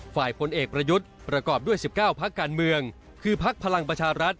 พลเอกประยุทธ์ประกอบด้วย๑๙พักการเมืองคือพักพลังประชารัฐ